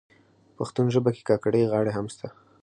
پښتو ژبه کي کاکړۍ غاړي هم سته.